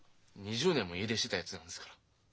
２０年も家出してたやつなんですから。